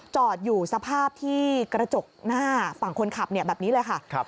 จอดอยู่สภาพที่กระจกหน้าฝั่งคนขับแบบนี้เลยค่ะ